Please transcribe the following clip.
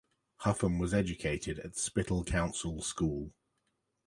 Huffam was educated at Spittal Council School.